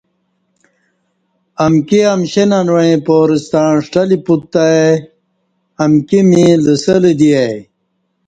امکی امشیں ننوعیں پارہ ستع ݜٹہ لی پوت تہ ای امکی می لسہ لہ دی ای